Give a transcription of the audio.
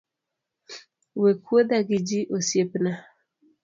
We kuodha gi ji osiepna